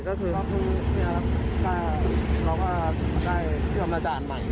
เราก็ได้เชื่อมอาจารย์ใหม่